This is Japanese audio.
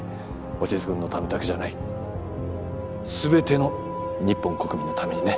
鷲津君のためだけじゃない全ての日本国民のためにね。